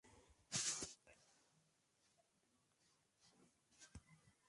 Los cristianos lo nombraron obispo de la ciudad, con gran fama de santidad.